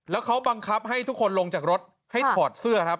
แล้วเขาบังคับให้ทุกคนลงจากรถให้ถอดเสื้อครับ